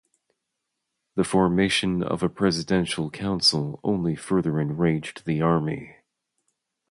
The formation of a presidential council only further enraged the army.